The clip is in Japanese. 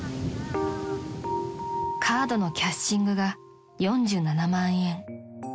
［カードのキャッシングが４７万円］